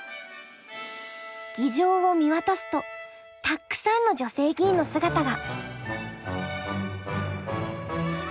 議場を見渡すとたっくさんの女性議員の姿が。